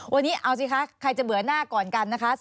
วันนี้เอาสิคะใครจะเบื่อหน้าก่อนกันนะคะ